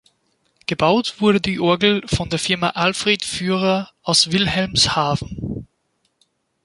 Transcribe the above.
Gebaut wurde die Orgel von der Firma Alfred Führer aus Wilhelmshaven.